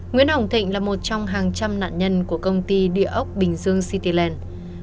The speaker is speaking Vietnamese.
nguyễn hồng thịnh là một trong hàng trăm nạn nhân của công ty địa ốc bình dương cityland